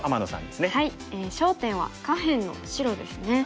焦点は下辺の白ですね。